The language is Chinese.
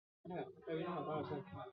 下议院。